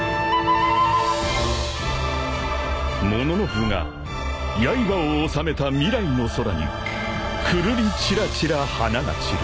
［もののふがやいばを納めた未来の空にくるりちらちら花が散る］